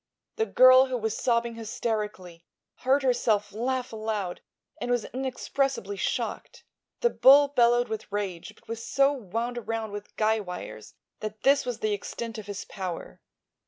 The girl, who was sobbing hysterically, heard herself laugh aloud and was inexpressibly shocked. The bull bellowed with rage but was so wound around with guy wires that this was the extent of his power.